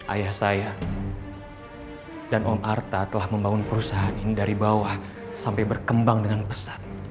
ayah saya dan om artha telah membangun perusahaan ini dari bawah sampai berkembang dengan pesat